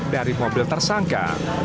dari mobil tersangka